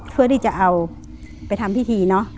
เพื่อที่จะเอาไปทำพิธีเนอะ